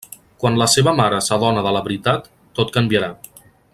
Quan la seva mare s'adona de la veritat, tot canviarà.